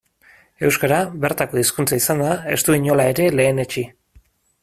Euskara, bertako hizkuntza izanda, ez du inola ere lehenetsi.